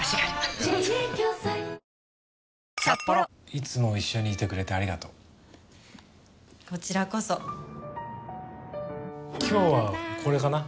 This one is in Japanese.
いつも一緒にいてくれてありがとうこちらこそ今日はこれかな